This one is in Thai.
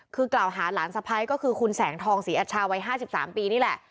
คือกล่าวหาหลานสะพ้ายก็คือคุณแสงทองศรีอัชชาวัย๕๓ปีนี่แหละ